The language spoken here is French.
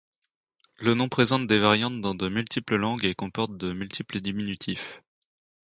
Le nom présente des variantes dans de multiples langues et comporte de multiples diminutifs.